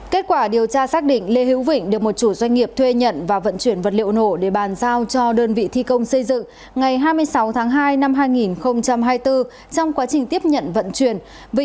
kết quả điều tra xác định lê hữu vịnh được một chủ doanh nghiệp thuê nhận và vận chuyển vật liệu nổ để bàn giao cho đơn vị thi công xây dựng ngày hai mươi sáu tháng hai năm hai nghìn hai mươi bốn trong quá trình tiếp nhận vận chuyển